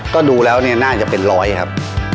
ก็ดูแล้วเนี่ยน่าจะเป็นร้อยครับ